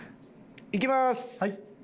いきます。